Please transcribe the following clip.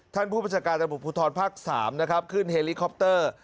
ท่านผู้ประชาการจังหวัดภูทรภาคสามนะครับขึ้นเฮลิคอปเตอร์